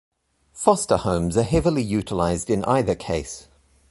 Foster homes are heavily utilized in either case.